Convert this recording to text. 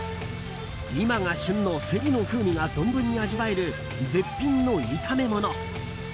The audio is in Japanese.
今が旬のセリの風味が存分に味わえる絶品の炒め物。